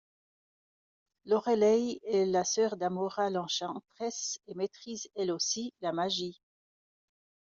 Lorelei est la sœur d'Amora l'Enchanteresse et maîtrise elle aussi la magie.